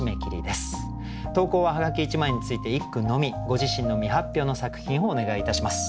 ご自身の未発表の作品をお願いいたします。